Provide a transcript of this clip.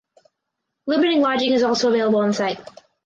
Limited lodging is also available on site.